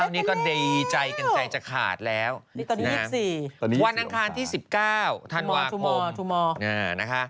๑๙นี่ก็ใดใจกันใจจะขาดแล้วนะคะวันอังคารที่๑๙ธันวาคมนะคะ